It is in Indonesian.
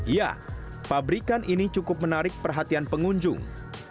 ya pabrikan ini cukup menarik perhatian pengunjung